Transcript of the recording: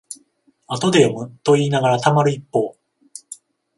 後で読むといいながらたまる一方